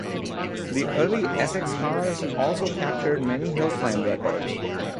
The early Essex cars also captured many hill climb records.